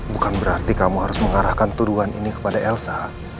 bukan berarti kamu harus mengarahkan tuduhan ini kepada elsa